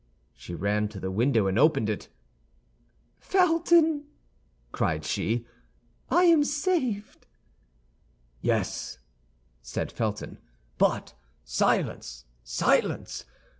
She ran to the window and opened it. "Felton!" cried she. "I am saved." "Yes," said Felton; "but silence, silence!